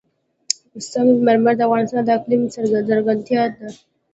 سنگ مرمر د افغانستان د اقلیم ځانګړتیا ده.